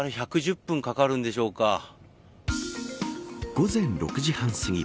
午前６時半すぎ